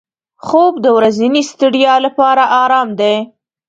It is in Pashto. خوب د ورځني ستړیا لپاره آرام دی